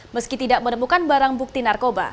meski tidak menemukan barang bukti narkoba